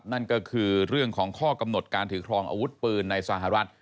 นั่นก็คือเรื่องของข้อกำหนดการถือครองอาวุธปืนในสหรัฐ